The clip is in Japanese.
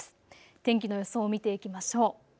天気の予想を見ていきましょう。